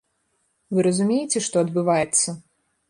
Вы разумееце, што адбываецца?